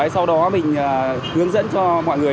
sau đó mình hướng dẫn cho mọi người